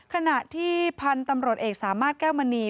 ขณะที่พันธุ์ตำรวจเอกสามารถแก้วมณี